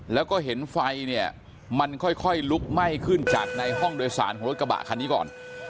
แล้วก็เห็นไฟเนี่ยมันค่อยลุกไหม้ขึ้นจากในห้องโดยสารของรถกระบะคันนี้ก่อน